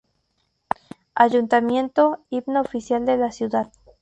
Ayuntamiento, Himno Oficial de la Ciudad.